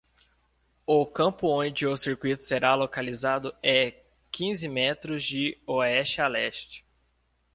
O campo onde o circuito será localizado é quinze metros de oeste a leste.